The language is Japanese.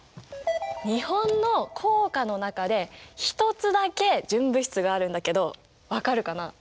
日本の硬貨の中で１つだけ純物質があるんだけど分かるかな？